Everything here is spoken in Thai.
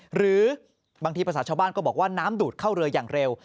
หรือบางทีภาษาชาวบ้านก็บอกว่าน้ำดูดเข้าเรืออย่างเร็ว